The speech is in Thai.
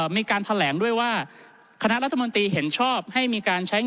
มีการแถลงด้วยว่าคณะรัฐมนตรีเห็นชอบให้มีการใช้